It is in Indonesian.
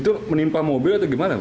itu menimpa mobil atau gimana